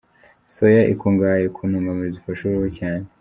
Soya ikungahaye ku ntungamubiri zifasha uruhu cyane.